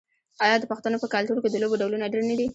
آیا د پښتنو په کلتور کې د لوبو ډولونه ډیر نه دي؟